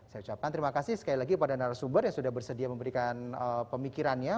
saya ucapkan terima kasih sekali lagi kepada narasumber yang sudah bersedia memberikan pemikirannya